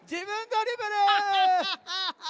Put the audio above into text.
ハハハハハ！